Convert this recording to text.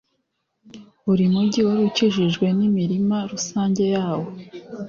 buri mugi wari ukikijwe n'imirima rusange yawo